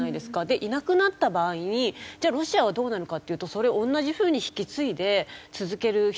でいなくなった場合にじゃあロシアはどうなるかっていうとそれ同じ風に引き継いで続ける人がいるのかどうか。